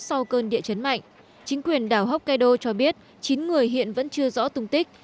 sau cơn địa chấn mạnh chính quyền đảo hokkaido cho biết chín người hiện vẫn chưa rõ tùng tích